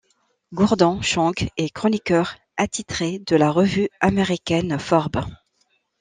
Gordon Chang est chroniqueur attitré de la revue américaine Forbes.